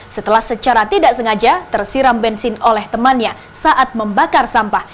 setelah secara tidak sengaja tersiram bensin oleh temannya saat membakar sampah